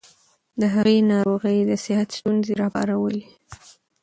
د هغې ناروغي د صحت ستونزې راوپارولې.